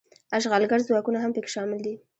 اشغالګر ځواکونه هم پکې شامل دي.